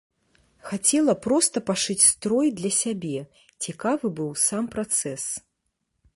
Хацела проста пашыць строй для сябе, цікавы быў сам працэс.